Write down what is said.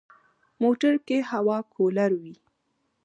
موټر کې هوا کولر وي.